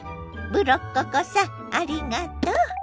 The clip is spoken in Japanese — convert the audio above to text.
ブロッココさんありがとう！